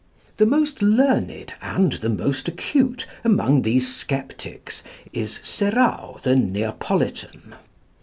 The most learned and the most acute among these sceptics is Serao the Neapolitan.